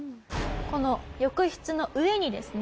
この浴室の上にですね。